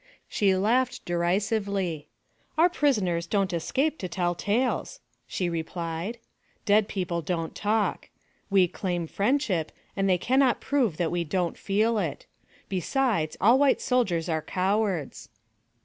She laughed derisively. " Our prisoners do n't escape to tell tales," she replied. " Dead people do n't talk. We claim friendship, and they can not prove that we don't feel it. Besides, all white soldiers are cowards."